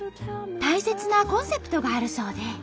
大切なコンセプトがあるそうで。